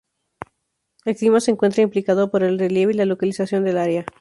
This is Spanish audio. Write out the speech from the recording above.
El clima se encuentra implicado por el relieve y la localización del área.